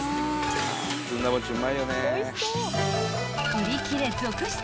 ［売り切れ続出！］